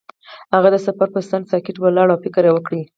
هغه د سفر پر څنډه ساکت ولاړ او فکر وکړ.